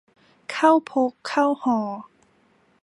เข้าพกเข้าห่อ